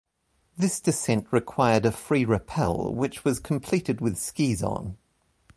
This descent required a free rappel, which was completed with skis on.